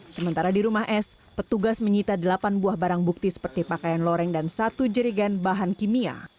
sementara di rumah s petugas menyita delapan buah barang bukti seperti pakaian loreng dan satu jerigan bahan kimia